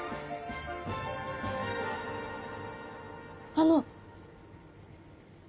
あの。